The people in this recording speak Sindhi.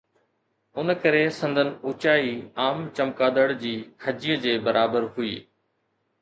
ان ڪري سندن اوچائي عام چمگادڙ جي کجيءَ جي برابر هئي